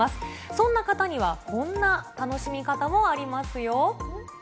そんな方にはこんな楽しみ方もありますよ。